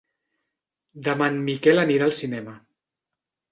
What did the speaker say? Demà en Miquel anirà al cinema.